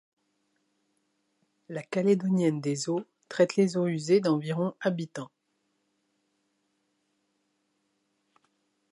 La Calédonienne des eaux traite les eaux usées d'environ habitants.